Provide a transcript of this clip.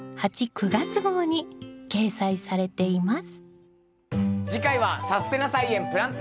９月号に掲載されています。